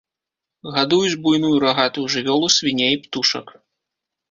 Гадуюць буйную рагатую жывёлу, свіней, птушак.